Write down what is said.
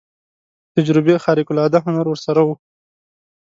د تجربې خارق العاده هنر ورسره و.